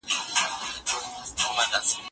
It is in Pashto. استاد وویل چي د خپلو شاګردانو مخالفت ته درناوی وکړئ.